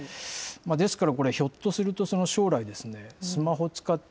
ですからこれ、ひょっとすると、将来、スマホ使って、